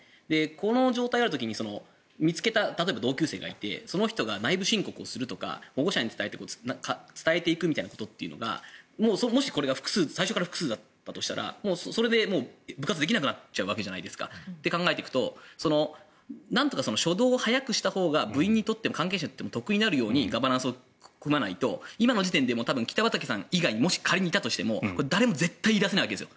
この状態の時に例えば、見つけた同級生がいてその人が内部申告するとか保護者に伝えていくみたいなことがもしこれが最初から複数だったとしたらそれでもう部活できなくなっちゃうわけじゃないですか。と考えていくとなんとか初動を早くしたほうが部員にとっても関係者にとっても得になるようにガバナンスを組まないと今の時点で北畠さん以外に仮にいたとしても誰も絶対に言い出せないわけです。